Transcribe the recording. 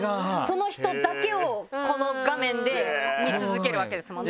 その人だけを、この画面で見続けるわけですもんね。